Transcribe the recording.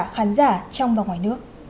khán giả trong và ngoài nước